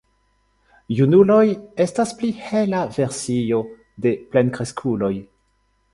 Junuloj estas pli hela versio de plenkreskuloj.